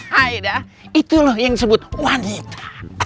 haidah itu yang disebut wanita